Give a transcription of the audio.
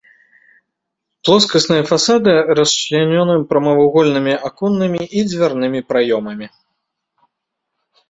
Плоскасныя фасады расчлянёны прамавугольнымі аконнымі і дзвярнымі праёмамі.